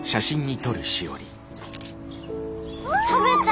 食べた！